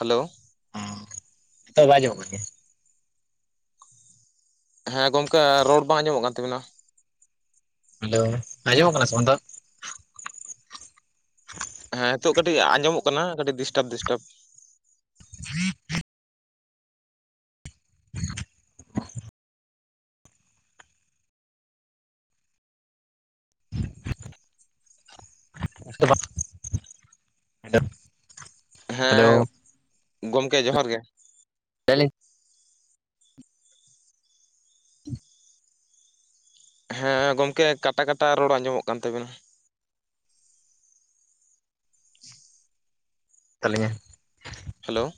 Hello, ᱦᱮᱸ, ᱱᱤᱛᱳᱜ ᱦᱚ ᱵᱟᱭ ᱟᱡᱚᱢᱚᱜ ᱠᱟᱱ ᱜᱮᱭᱟ? ᱦᱮᱸ ᱜᱚᱝᱠᱮ, ᱨᱚᱲ ᱵᱟᱝ ᱟᱡᱚᱢᱚᱜ ᱠᱟᱱ ᱛᱟᱵᱤᱱᱟ? ᱦᱮᱞᱳ ᱟᱡᱚᱢᱚᱜ ᱠᱟᱱᱟ, ᱥᱮ ᱵᱟᱝ, [unintelligible] ᱦᱮᱸ ᱦᱤᱛᱳᱜ ᱠᱟᱴᱤᱡ ᱟᱸᱡᱚᱢᱚᱜ ᱠᱟᱱᱟ, ᱠᱟᱹᱴᱤᱡ ᱰᱤᱥᱴᱟᱯ ᱰᱤᱥᱴᱟᱯ᱾ [unintelligible] [unintelligible] ᱦᱮᱞᱳ ᱦᱮᱞᱳ ᱦᱮᱸ, ᱜᱚᱢᱠᱮ ᱡᱚᱦᱟᱨ ᱜᱮ᱾ [unintelligible] [unintelligible] ᱦᱮᱸ ᱜᱚᱢᱠᱮ, ᱠᱟᱴᱟ ᱠᱟᱴᱟ ᱨᱚᱲ ᱟᱸᱡᱚᱢᱚᱜ ᱠᱟᱱ ᱛᱟᱵᱤᱱᱟ᱾ ᱛᱟᱹᱞᱤᱧᱟ, ᱦᱮᱞᱳ,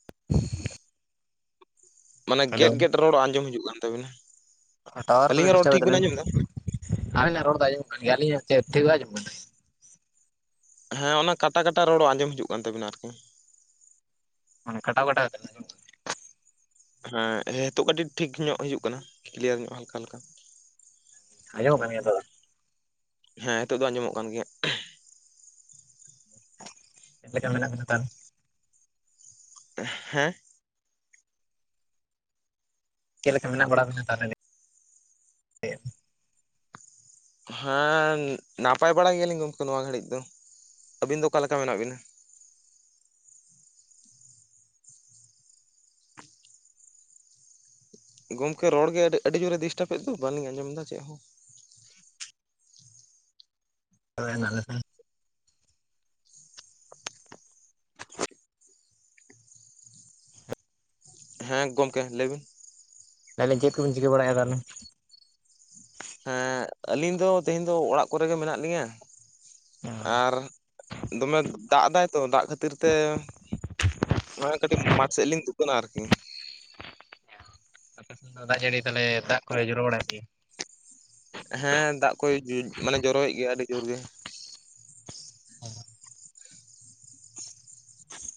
[unintelligible] [inaudible] ᱢᱟᱱᱮ ᱦᱮᱞᱳ ᱜᱮᱫ-ᱜᱮᱫ ᱨᱚᱲ ᱟᱸᱡᱚᱢ ᱦᱤᱡᱩᱜ ᱠᱟᱱ ᱛᱟᱵᱤᱱᱟ? ᱴᱟᱣᱟᱨ ᱯᱟᱞᱮ ᱟᱹᱞᱤᱧᱟᱜ ᱨᱚᱲ ᱰᱤᱥᱴᱟᱵ ᱮᱜ ᱴᱷᱤᱠ ᱵᱤᱱ ᱛᱟᱵᱮᱱᱟ, ᱟᱸᱡᱚᱢ ᱮᱫᱟ ᱟᱵᱮᱱᱟᱜ ᱨᱚᱲ ᱫᱚ ᱟᱡᱚᱢᱚᱜ ᱠᱟᱱ ᱜᱮᱭᱟ, ᱟᱹᱞᱤᱧᱟᱜ ᱪᱮᱫ ᱴᱷᱤᱡ ᱵᱟᱭ ᱟᱡᱚᱢᱚᱜ ᱠᱟᱱᱟ? ᱦᱮᱸ ᱚᱱᱟ ᱠᱟᱴᱟ ᱠᱟᱴᱟ, ᱨᱚᱲ ᱟᱸᱡᱚᱢ ᱦᱤᱡᱩᱜ ᱠᱟᱱ ᱛᱟᱵᱤᱱᱟ ᱟᱨᱠᱤ? ᱢᱟᱱᱮ ᱠᱟᱴᱟᱣ-ᱠᱟᱴᱟᱣ ᱛᱮ, ᱦᱮᱸ ᱦᱮᱛᱳᱜ ᱠᱟᱹᱴᱤᱡ ᱴᱷᱤᱠ ᱧᱚᱜ ᱦᱤᱡᱩᱜ ᱠᱟᱱᱟ, ᱠᱞᱤᱭᱟᱨ ᱧᱚᱜ ᱦᱟᱞᱠᱟ, ᱦᱟᱞᱠᱟ᱾ ᱟᱸᱡᱚᱢᱚᱜ ᱠᱟᱱ ᱜᱮᱭᱟ ᱛᱚ ᱵᱟᱝ? ᱦᱮᱸ ᱦᱮᱛᱳᱜ ᱫᱚ, ᱟᱸᱡᱚᱢᱚᱜ ᱠᱟᱱ ᱜᱮᱭᱟ᱾ ᱪᱮᱫ ᱞᱮᱠᱟ ᱢᱮᱱᱟᱜ ᱵᱤᱱᱟ, ᱛᱟᱦᱚᱞᱮ? ᱦᱮᱸ, ᱪᱮᱫ ᱞᱮᱠᱟ ᱢᱮᱱᱟᱜ ᱵᱟᱲᱟ ᱵᱮᱱᱟ, ᱛᱟᱦᱚᱞᱮ ᱞᱟᱹᱭᱵᱮᱱ? ᱦᱮᱸ, ᱱᱟᱯᱟᱭ ᱵᱟᱲᱟ ᱜᱮᱭᱟᱞᱤᱧ ᱜᱚᱢᱠᱮ ᱱᱚᱣᱟ ᱜᱷᱟᱹᱲᱤᱡ ᱫᱚ, ᱟᱹᱵᱤᱱ ᱫᱚ ᱚᱠᱟ ᱞᱮᱠᱟ ᱢᱮᱱᱟᱜ ᱵᱤᱱᱟ? ᱜᱚᱢᱠᱮ ᱨᱚᱲ ᱜᱮ ᱟᱹᱰᱤ ᱡᱳᱨᱮ ᱰᱤᱥᱴᱟᱯ ᱮᱫ ᱫᱚ, ᱵᱟᱞᱤᱧ ᱟᱸᱡᱚᱢ ᱫᱟ ᱪᱮᱫ ᱦᱚᱸ? ᱛᱚᱵᱮ ᱦᱮᱱᱟᱜ ᱞᱮᱠᱷᱟᱱ, ᱦᱮᱸ ᱜᱚᱢᱠᱮ ᱞᱟᱹᱭ ᱵᱤᱱ? ᱞᱟᱹᱭᱮᱫᱤᱧ ᱪᱮᱫ ᱠᱚᱵᱤᱱ ᱪᱤᱠᱟᱹ, ᱵᱟᱲᱟᱭᱮᱜᱼᱟ ᱛᱟᱦᱚᱞᱮ? ᱦᱮᱸ ᱟᱹᱞᱤᱧ ᱫᱚ ᱛᱮᱦᱮᱧ ᱫᱚ ᱚᱲᱟᱜ ᱠᱚᱨᱮ ᱜᱮ ᱢᱮᱱᱟᱜ ᱞᱤᱧᱟ᱾ ᱟᱨ ᱫᱚᱢᱮ ᱫᱟᱜ ᱮᱫᱟᱭ ᱛᱚ ᱫᱟᱜ ᱠᱷᱟᱹᱛᱤᱨ ᱛᱮ ᱱᱚᱜ ᱚᱭ ᱠᱟᱹᱴᱤᱡ ᱢᱟᱴᱷ ᱥᱮᱫ ᱞᱤᱧ ᱫᱩᱠᱟᱱᱟ ᱟᱨᱠᱤ᱾ ᱟᱯᱮ ᱥᱮᱫ ᱫᱚ ᱫᱟᱜ ᱡᱟᱹᱲᱤ ᱛᱟᱦᱚᱞᱮ ᱫᱟᱜ ᱠᱚᱭᱮ ᱡᱚᱨᱚ ᱵᱟᱲᱟᱭᱮ ᱜᱮᱭᱟ᱾ ᱦᱮᱸ ᱫᱟᱜ ᱠᱚ ᱢᱟᱱᱮ ᱡᱚᱨᱚᱭ ᱮᱫ ᱜᱮᱭᱟ ᱟᱹᱰᱤ ᱡᱳᱨ ᱜᱮ᱾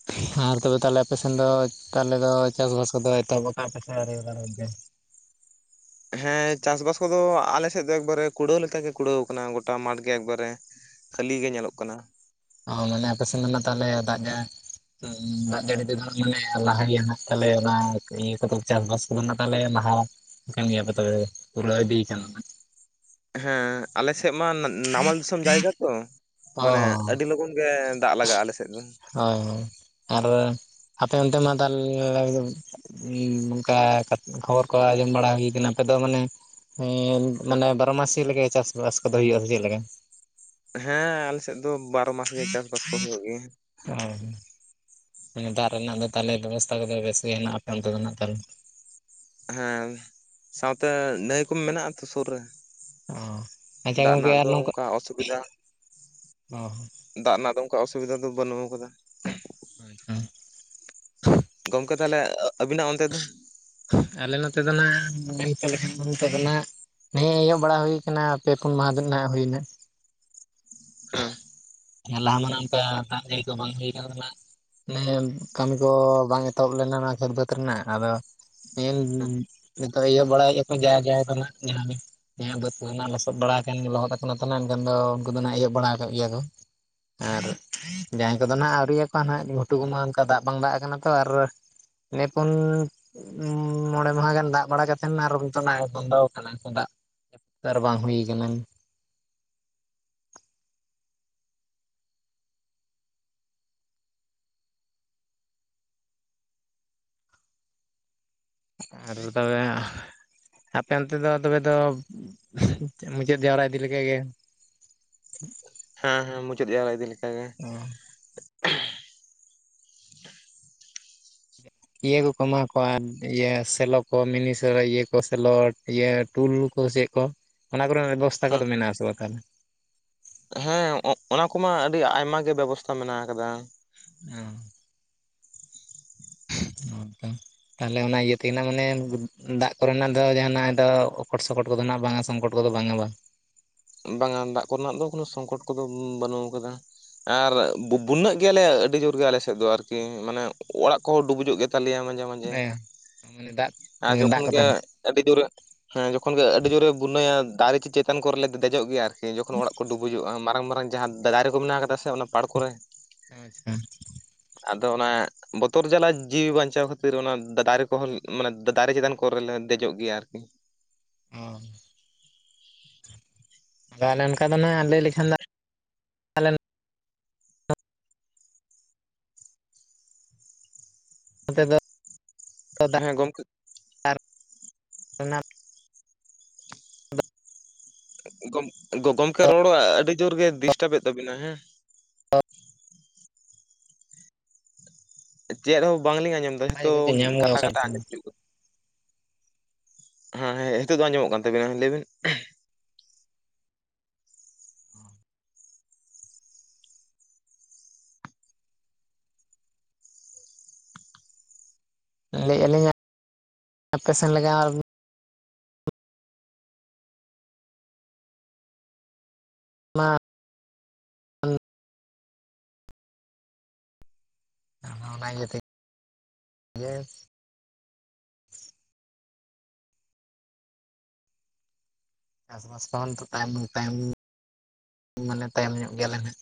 [inaudible] ᱟᱨ ᱛᱚᱵᱮ ᱛᱟᱦᱚᱞᱮ ᱟᱯᱮ ᱥᱮᱱ ᱫᱚ ᱛᱟᱦᱚᱞᱮ ᱫᱚ ᱪᱟᱥ ᱵᱟᱥ ᱠᱚᱫᱚ ᱮᱛᱚᱦᱚᱵ ᱟᱠᱟᱜᱼᱟ ᱯᱮ ᱥᱮ ᱟᱣᱨᱤ ᱦᱮᱸ ᱪᱟᱥᱵᱟᱥ ᱠᱚ ᱫᱚ ᱟᱞᱮ ᱥᱮᱫ ᱫᱚ ᱮᱠᱵᱟᱨᱮ ᱠᱩᱲᱟᱹᱣ ᱞᱮᱠᱟ ᱜᱮ ᱠᱩᱲᱟᱹᱣ ᱟᱠᱟᱱᱟ ᱜᱚᱴᱟ ᱢᱟᱴᱷ ᱜᱮ ᱮᱠᱵᱟᱨᱮ᱾ ᱠᱷᱟᱹᱞᱤ ᱜᱮ ᱧᱮᱞᱚᱜ ᱠᱟᱱᱟ᱾ ᱚ ᱢᱟᱱᱮ ᱟᱯᱮ ᱥᱮᱫ ᱨᱮᱱᱟᱜ ᱛᱟᱦᱚᱞᱮ ᱫᱟᱜ ᱫᱟᱜ ᱡᱟᱹᱲᱤ ᱛᱮᱫᱚ ᱢᱟᱱᱮ ᱞᱟᱦᱟ ᱜᱮᱭᱟ ᱛᱟᱦᱚᱞᱮ ᱚᱱᱟ ᱤᱭᱟᱹ ᱠᱚᱫᱚ ᱪᱟᱥᱵᱟᱥ ᱛᱟᱦᱚᱞᱮ ᱞᱟᱦᱟ ᱟᱠᱟᱱ ᱜᱮᱭᱟ ᱯᱮ ᱛᱚᱵᱮ ᱯᱩᱨᱟᱹᱣ ᱤᱫᱤ ᱟᱠᱟᱱ ᱦᱮᱸ ᱟᱞᱮ ᱥᱮᱫ ᱢᱟ ᱱᱟᱢᱟᱞ ᱫᱤᱥᱚᱢ ᱡᱟᱭᱜᱟ ᱛᱚ ᱚ ᱢᱟᱱᱮ ᱦᱳᱭ ᱟᱹᱰᱤ ᱞᱚᱜᱚᱱ ᱜᱮ ᱫᱟᱜ ᱞᱟᱜᱟᱜ-ᱟ ᱟᱞᱮ ᱥᱮᱫ ᱫᱚ᱾ ᱦᱳᱭ ᱦᱳᱭ ᱟᱨ ᱟᱯᱮ ᱚᱱᱛᱮ ᱢᱟ ᱛᱟ [unintelligible] ᱦᱩᱸ ᱚᱱᱠᱟ ᱠᱷᱚᱵᱚᱨ ᱠᱚ ᱟᱸᱡᱚᱢ ᱵᱟᱲᱟ ᱦᱩᱭ ᱟᱠᱟᱱᱟ ᱟᱯᱮ ᱫᱚ ᱢᱟᱱᱮ ᱦᱮᱸ ᱢᱟᱱᱮ ᱵᱟᱨᱚ ᱢᱟᱥᱤ ᱞᱮᱠᱟ ᱪᱟᱥᱵᱟᱥ ᱠᱚᱫᱚ ᱦᱩᱭᱩᱜᱼᱟ ᱥᱮ ᱪᱮᱫ ᱞᱮᱠᱟ᱾ ᱦᱮᱸ ᱟᱞᱮ ᱥᱮᱫ ᱫᱚ ᱵᱟᱨᱚ ᱢᱟᱥ ᱜᱮ ᱪᱟᱥᱵᱟᱥ ᱠᱚ ᱦᱩᱭᱩᱜ ᱜᱮᱭᱟ᱾ ᱚ ᱢᱟᱱᱮ ᱫᱟᱜ ᱨᱮᱱᱟᱜ ᱫᱚ ᱛᱟᱦᱚᱞᱮ ᱵᱮᱵᱚᱥᱛᱷᱟ ᱠᱚᱫᱚ ᱵᱮᱥ ᱜᱮ ᱦᱮᱱᱟᱜ ᱟ ᱟᱯᱮ ᱚᱱᱛᱮ ᱫᱚ ᱱᱟᱜ ᱛᱟᱦᱚᱞᱮ᱾ ᱦᱮᱸ ᱥᱟᱶᱛᱮ ᱱᱟᱹᱭ ᱠᱚ ᱢᱮᱱᱟᱜ ᱟ ᱛᱚ ᱥᱩᱨ ᱨᱮ᱾ ᱚ ᱟᱪᱪᱷᱟ ᱫᱟᱜ ᱜᱚᱢᱠᱮ ᱨᱮᱱᱟᱜ ᱟᱨ ᱫᱚ ᱱᱚᱝᱠᱟ ᱚᱱᱠᱟ ᱚᱥᱩᱵᱤᱫᱟ ᱚ ᱫᱟᱜ ᱨᱮᱱᱟᱜ ᱫᱚ ᱚᱱᱠᱟ ᱚᱥᱩᱵᱤᱫᱷᱟ ᱫᱚ ᱵᱟᱹᱱᱩᱜ ᱠᱟᱫᱟ᱾ [unintelligible] ᱜᱚᱢᱠᱮ ᱛᱟᱦᱚᱞᱮ ᱟᱵᱤᱱᱟᱜ ᱚᱱᱛᱮ ᱫᱚ? ᱟᱞᱮ ᱱᱚᱛᱮ ᱫᱚ ᱱᱟᱦ [unintelligible] ᱫᱚ ᱱᱤᱛᱚᱜ ᱫᱚ ᱱᱟᱜ᱾ ᱱᱮ ᱦᱮᱸ ᱮᱦᱚᱵ ᱵᱟᱲᱟ ᱦᱩᱭ ᱟᱠᱟᱱᱟ ᱯᱮ ᱯᱩᱱ ᱢᱟᱦᱟ ᱫᱤᱱ ᱱᱟᱦᱱᱟᱜ ᱦᱩᱭᱮᱱᱟ᱾ ᱦᱮᱸ ᱞᱟᱦᱟ ᱢᱟ ᱚᱱᱠᱟ ᱫᱟ ᱡᱟᱹᱲᱤ ᱠᱚ ᱵᱟᱝ ᱦᱩᱭ ᱟᱠᱟᱱᱟ ᱛᱟᱦᱮᱱᱟ᱾ ᱢᱟᱱᱮ ᱠᱟᱹᱢᱤ ᱠᱚ ᱵᱟᱝ ᱮᱛᱚᱦᱚᱵ ᱞᱮᱱᱟ ᱚᱱᱟ ᱠᱷᱮᱛ ᱵᱟᱹᱫᱽ ᱨᱮᱱᱟᱜ ᱟᱫᱚ ᱱᱤᱛ ᱱᱤᱛᱚᱜ ᱤᱭᱟᱹ ᱵᱟᱲᱟᱭᱮᱫᱟ ᱠᱚ ᱡᱟ ᱡᱟᱭ ᱠᱟᱱᱟ ᱡᱟᱦᱟᱸ ᱜᱮ᱾ ᱱᱤᱭᱟ. ᱵᱟ. ᱫ ᱠᱚ ᱦᱚᱱᱟᱜ ᱞᱚᱥᱚᱫ ᱵᱟᱲᱟ ᱟᱠᱟᱱ ᱜᱮ ᱞᱚᱦᱚᱫ ᱟᱠᱟᱱᱟ ᱛᱟᱦᱮ ᱮᱱᱠᱷᱟᱱ ᱫᱚ ᱩᱱᱠᱩ ᱫᱚ ᱱᱟᱜ ᱮᱦᱚᱵ ᱵᱟᱲᱟ ᱟᱠᱟᱜ ᱜᱮᱭᱟ ᱠᱚ᱾ ᱟᱨ ᱡᱟᱸᱦᱟᱸᱭ ᱠᱚᱫᱚ ᱱᱟᱜ ᱟᱹᱣᱨᱤᱭᱟ ᱠᱚᱣᱟ ᱱᱟᱜ ᱜᱷᱩᱴᱩ ᱠᱚᱢᱟ ᱚᱱᱠᱟ ᱫᱟᱜ ᱵᱟᱝ ᱫᱟᱜ ᱠᱟᱱᱟ ᱛᱚ ᱟᱨ ᱱᱮ ᱯᱩᱱ ᱩᱸ ᱢᱚᱬᱮ ᱢᱟᱦᱟ ᱜᱟᱱ ᱫᱟᱜ ᱵᱟᱲᱟ ᱠᱟᱛᱮᱫ ᱟᱨᱚ ᱱᱤᱛᱚᱜ ᱱᱟᱜ ᱵᱚᱱᱫᱚ ᱠᱟᱱᱟ ᱫᱟᱜ᱾ ᱟᱨ ᱵᱟᱝ ᱦᱩᱭ ᱟᱠᱟᱱᱟ᱾ ᱟᱨ ᱛᱚᱵᱮ ᱦᱟᱸᱜ ᱟᱯᱮ ᱚᱱᱛᱮ ᱫᱚ ᱛᱚᱵᱮ ᱫᱚ ᱢᱩᱪᱟᱹᱫ ᱡᱟᱣᱨᱟ ᱤᱫᱤ ᱞᱮᱠ ᱜᱮ᱾ ᱦᱮᱸ ᱦᱮᱸ ᱢᱩᱪᱟᱹᱫ ᱡᱟᱣᱨᱟ ᱤᱫᱤ ᱞᱮᱠᱟᱜ ᱜᱮ᱾ ᱚ ᱤᱭᱟᱹ ᱠᱚᱠᱚ ᱮᱢᱟ ᱠᱚᱣᱟ ᱤᱭᱟᱹ ᱥᱮᱞᱚ ᱠᱚ ᱢᱤᱱᱤ ᱥᱮ ᱤᱭᱟᱹ ᱠᱚ ᱥᱮᱞᱳ ᱤᱭᱟᱹ ᱴᱩᱞᱩ ᱠᱚ ᱪᱮᱫ ᱠᱚ ᱚᱱᱟ ᱠᱚᱨᱮᱱᱟᱜ ᱵᱮᱵᱚᱥᱛᱛᱟ ᱦᱮᱸ ᱠᱚᱫᱚ ᱢᱮᱱᱟᱜᱼᱟᱥᱮ ᱵᱟᱝ ᱛᱟᱦᱚᱞᱮ? ᱦᱮᱸ ᱚᱱᱟ ᱠᱚᱢᱟ ᱟᱹᱰᱤ ᱟᱭᱢᱟ ᱜᱮ ᱵᱮᱵᱚᱥᱛᱟ ᱢᱮᱱᱟᱜ ᱟᱠᱟᱫᱟ᱾ ᱦᱚᱸ [inaudible] ᱛᱟᱦᱚᱞᱮ ᱚᱱᱟ ᱤᱭᱟᱹ ᱛᱤᱱᱟᱦ ᱢᱟᱱᱮ ᱫᱟᱜ ᱠᱚᱨᱮᱱᱟᱜ ᱫᱚ ᱡᱟᱦᱟᱱᱟ ᱫᱚ ᱚᱠᱚᱴ ᱥᱚᱠᱚᱴ ᱠᱚᱫᱚ ᱱᱟᱜ ᱵᱟᱝ ᱥᱚᱝᱠᱚᱴ ᱠᱚᱫᱚ ᱵᱟᱝ-ᱟ ᱵᱟᱝ᱾ ᱵᱟᱝᱼᱟ ᱫᱟᱜ ᱠᱚᱨᱮᱱᱟᱜ ᱫᱚ ᱠᱳᱚᱱ ᱥᱚᱝᱠᱚᱴ ᱠᱚᱫᱚ ᱵᱟᱹᱱᱩᱜ ᱟᱠᱟᱫᱟ᱾ ᱟᱨ ᱵᱩᱼᱵᱩᱱᱟᱹ ᱜᱮᱭᱟᱞᱮ ᱟᱹᱰᱤ ᱡᱳᱨ ᱜᱮ ᱟᱞᱮ ᱥᱮᱫ ᱫᱚ ᱟᱨᱠᱤ, ᱢᱟᱱᱮ ᱚᱲᱟᱜ ᱠᱚᱦᱚᱸ ᱰᱩᱵᱩᱡᱚᱜ ᱜᱮ ᱛᱟᱞᱮᱭᱟ ᱢᱟᱡᱮ, ᱢᱟᱡᱮ ᱦᱮᱸ ᱢᱟᱱᱮ ᱫᱟᱜ ᱟᱨ ᱫᱟᱜ ᱡᱚᱠᱷᱚᱱ ᱠᱚᱛᱮ ᱜᱮ ᱱᱟᱜ ᱟᱹᱰᱤ ᱡᱳᱨᱮ ᱦᱮᱸ ᱡᱚᱠᱷᱚᱱ ᱜᱮ ᱟᱹᱰᱤ ᱡᱳᱨᱮ ᱵᱩᱱᱟᱹᱭᱟ ᱫᱟᱨᱮ ᱪᱮᱛᱟᱱ ᱠᱚᱨᱮᱞᱮ ᱫᱮᱡᱚᱜ ᱜᱮᱭᱟ ᱾ ᱡᱚᱠᱷᱚᱱ ᱚᱲᱟᱜ ᱠᱚ ᱰᱩᱵᱩᱡᱚᱜᱼᱟ, ᱢᱟᱨᱟᱝ ᱢᱟᱨᱟᱝ ᱡᱟᱦᱟᱸ ᱫᱟᱨᱮ ᱠᱚ ᱢᱮᱱᱟᱜ ᱠᱟᱫᱟ ᱥᱮ ᱚᱱᱟ ᱯᱟᱲ ᱠᱚᱨᱮ ᱟᱪᱪᱷᱟ, ᱟᱫᱚ ᱚᱱᱟ ᱵᱚᱛᱚᱨ ᱡᱟᱞᱟ ᱡᱤᱣᱤ ᱵᱟᱧᱪᱟᱣ ᱠᱷᱟᱹᱛᱤᱨ ᱚᱱᱟ ᱫᱟᱨᱮ ᱠᱚᱦᱚᱸ ᱢᱟᱱᱮ ᱫᱟᱨᱮ ᱪᱮᱛᱟᱱ ᱠᱚᱨᱮᱞᱮ ᱫᱮᱡᱚᱜ ᱜᱮᱭᱟ ᱾ ᱟᱨᱠᱤ᱾ ᱚ ᱟᱫᱚ ᱚᱱᱠᱟ ᱫᱚ ᱱᱟᱜᱜ ᱞᱟᱹᱭ ᱞᱮᱠᱷᱟᱱ ᱫᱚ ᱟᱞᱮ ᱱᱚᱛᱮ ᱫᱚ ᱫᱟᱜ ᱦᱮᱸ ᱜᱚᱝᱠᱮ ᱨᱮᱱᱟᱜ ᱜᱚᱢ ᱜᱚᱢᱠᱮ ᱨᱚᱲ ᱟᱹᱰᱤ ᱡᱳᱨ ᱜᱮ ᱰᱤᱥᱴᱟᱵ ᱮᱫ ᱛᱟᱵᱤᱱᱟ ᱦᱮᱸ [unintelligible] ᱪᱮᱫ ᱦᱚᱸ ᱵᱟᱝᱞᱤᱧ ᱟᱸᱡᱚᱢ ᱫᱟ ᱚᱱᱟ ᱡᱚᱛᱚ ᱡᱚᱠᱷᱚᱡ ᱫᱚ ᱧᱟᱢ ᱠᱟᱴᱟ ᱠᱟᱴᱟ ᱟᱸᱡᱚᱢ ᱜᱚᱫ ᱦᱤᱡᱩᱜ ᱠᱟᱱᱟ᱾ ᱦᱮᱸ ᱦᱮᱸ ᱱᱤᱛᱳᱜ ᱫᱚ ᱟᱸᱡᱚᱢᱚᱜ ᱠᱟᱱ ᱛᱟᱵᱤᱱᱟ ᱞᱟᱹᱭᱵᱤᱱ? ᱞᱟᱹᱭ ᱟᱹᱞᱤᱧ ᱟᱯᱮᱥᱮᱱ ᱞᱟᱜᱟᱣ ᱢᱟ ᱚᱱᱟ ᱤᱭᱟᱹ ᱛᱮ ᱜᱮ ᱪᱟᱥᱵᱟᱥ ᱠᱚᱦᱚᱸ ᱱᱤᱛᱚ ᱛᱟᱭᱚᱢ ᱛᱟᱭᱚᱢ ᱢᱟᱱᱮ ᱛᱟᱭᱚᱢ ᱧᱚᱜ ᱜᱮᱭᱟᱞᱮ ᱱᱟᱦᱟ᱾